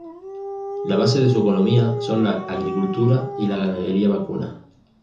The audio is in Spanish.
La base de su economía son la agricultura y la ganadería vacuna.